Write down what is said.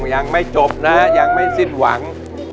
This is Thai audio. ยังไม่จบนะยังไม่สิ้นหวัง